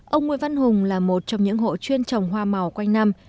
ông nguyễn văn hùng là một trong những hộ chuyên trồng hoa màu quanh năm